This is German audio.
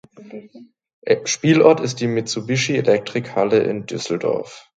Spielort ist die Mitsubishi Electric Halle in Düsseldorf.